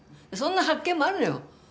そんな発見もあるのよ。